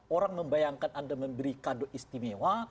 orang membayangkan anda memberi kado istimewa